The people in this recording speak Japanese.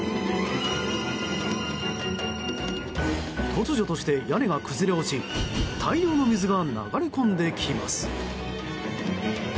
突如として屋根が崩れ落ち大量の水が流れ込んできます。